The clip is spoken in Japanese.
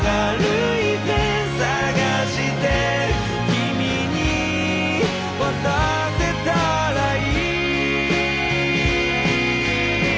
「君に渡せたらいい」